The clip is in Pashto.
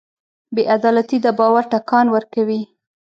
بېعدالتي د باور ټکان ورکوي.